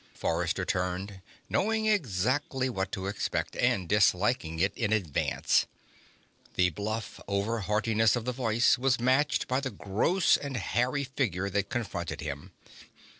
Forrester turned, knowing exactly what to expect, and disliking it in advance. The bluff over heartiness of the voice was matched by the gross and hairy figure that confronted him.